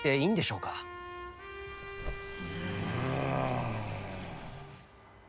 うん。